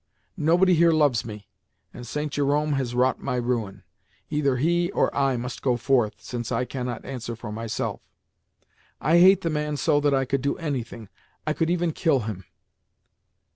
Nobody here loves me, and St. Jerome has wrought my ruin. Either he or I must go forth, since I cannot answer for myself. I hate the man so that I could do anything—I could even kill him.